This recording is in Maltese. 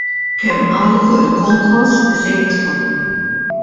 Kemm qalu fuq il-konkos li se jidħol!